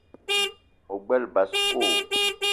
O gbele basko?